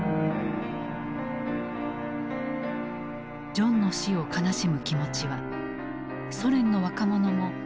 ジョンの死を悲しむ気持ちはソ連の若者も同じだった。